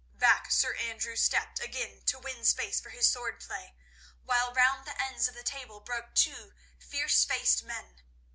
Back Sir Andrew stepped again to win space for his sword play, while round the ends of the table broke two fierce faced men.